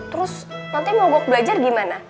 terus nanti mau gok belajar gimana